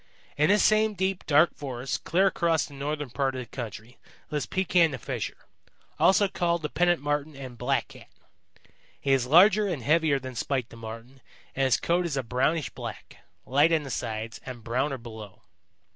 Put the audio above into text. "In this same deep, dark forest clear across the northern part of the country lives Pekan the Fisher, also called the Pennant Marten and Blackcat. He is larger and heavier than Spite the Marten and his coat is a brownish black, light on the sides, and browner below.